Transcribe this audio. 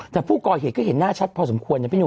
แต่ผู้ก่อเหตุก็เห็นหน้าชัดพอสมควรนะพี่หุ